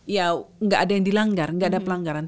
ya nggak ada yang dilanggar nggak ada pelanggaran